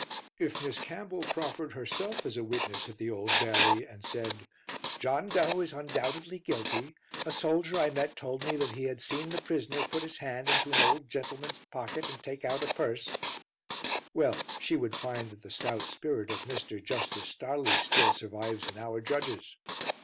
If Miss Campbell proffered herself as a witness at the Old Bailey and said, "John Doe is undoubtedly guilty. A soldier I met told me that he had seen the prisoner put his hand into an old gentleman's pocket and take out a purse" well, she would find that the stout spirit of Mr. Justice Stareleigh still survives in our judges.